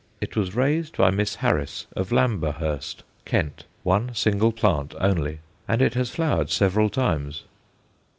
It was raised by Miss Harris, of Lamberhurst, Kent, one single plant only; and it has flowered several times.